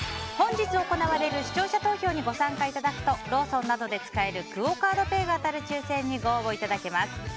本日行われる視聴者投票にご参加いただくとローソンなどで使えるクオ・カードペイが当たる抽選にご応募いただけます。